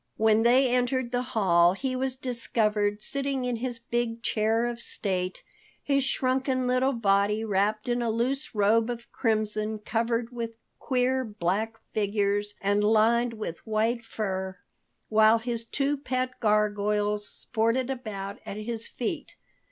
When they entered the hall he was discovered sitting in his big chair of state, his shrunken little body wrapped in a loose robe of crimson covered with queer black figures and lined with white fur, while his two pet gargoyles sported about at his feet.